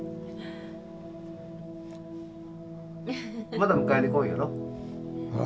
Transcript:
まだ迎えに来んやろ？